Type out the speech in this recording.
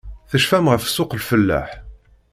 Tecfam ɣef ssuq-lfellaḥ?